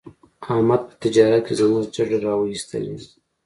احمد په تجارت کې زموږ جرړې را و ایستلې.